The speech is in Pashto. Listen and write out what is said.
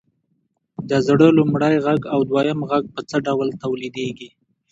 د زړه لومړی غږ او دویم غږ په څه ډول تولیدیږي؟